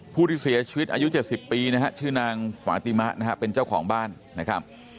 ผู้ที่เสียชีวิตอายุ๗๐ปีนะฮะชื่อนางปาติมะนะฮะเป็นเจ้าของบ้านนะครับ